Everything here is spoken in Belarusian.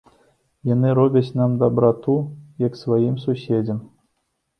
Яны робяць нам дабрату, як сваім суседзям.